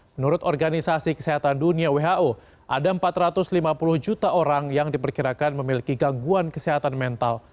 menurut organisasi kesehatan dunia who ada empat ratus lima puluh juta orang yang diperkirakan memiliki gangguan kesehatan mental